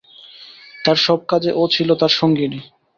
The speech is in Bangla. তাঁর সব কাজে ও ছিল তাঁর সঙ্গিনী।